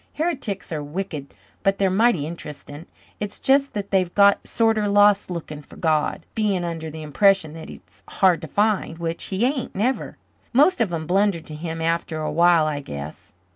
Heretics are wicked but they're mighty interesting. It's just that they've got sorter lost looking for God, being under the impression that He's hard to find which He ain't, never. Most of 'em blunder to Him after a while I guess.